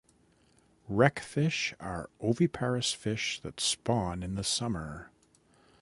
Wreckfish are oviparous fish that spawn in the summer.